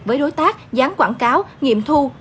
với đối tác gián quảng cáo nghiệm thu